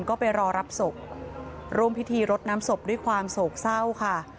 ก็ไปรอรับศพร่วมพิธีรดน้ำศพด้วยความโศกเศร้าค่ะ